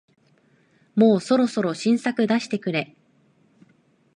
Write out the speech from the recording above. もうそろそろ新作出してくれ